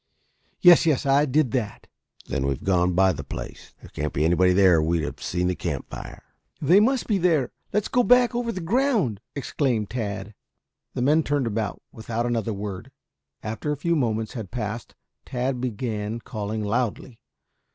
"Yes, yes; I did that." "Then we've gone by the place. There can't be anybody there or we would have seen the camp fire." "They must be there! Let's go back over the ground!" exclaimed Tad. The men turned about without another word. After a few moments had passed Tad began calling loudly.